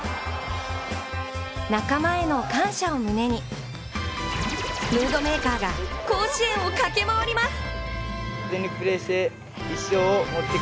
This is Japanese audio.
仲間への感謝を胸にムードメーカーが甲子園を駆け回ります。